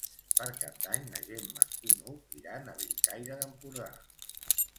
Per Cap d'Any na Gemma i n'Hug iran a Bellcaire d'Empordà.